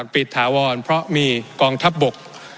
ถาวรเพราะมีกองทัพบก